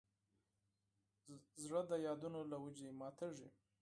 زړه د یادونو له وجې ماتېږي.